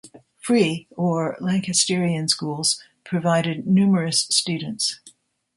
Free, or Lancasterian, schools provided numerous students.